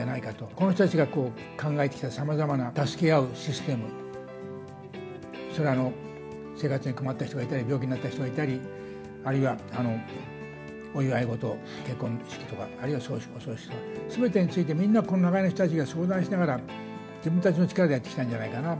この人たちが考えてきたさまざまな助け合うシステム、それは生活に困ってる人がいたり、病気になった人がいたり、あるいはお祝い事、結婚式とか、あるいはお葬式とか、すべてについて、みんな、この長屋の人たちが相談しながら、自分たちの力でやってきたんじゃないかな。